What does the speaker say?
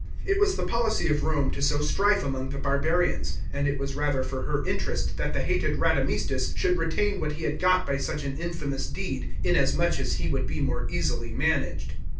It was the policy of Rome to sow strife among the barbarians ; and it was rather for her interest that the hated Radamistus should retain what he had got by such an infamous deed, inasmuch as he would be more easily managed.